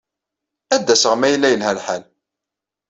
Ad d-aseɣ ma yella yelha lḥal.